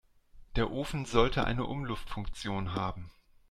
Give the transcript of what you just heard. Der Ofen sollte eine Umluftfunktion haben.